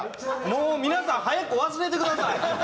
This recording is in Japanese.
もう皆さん早く忘れてください。